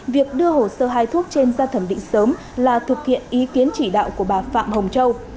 việc đưa hồ sơ hai thuốc trên ra thẩm định sớm là thực hiện ý kiến chỉ đạo của bà phạm hồng châu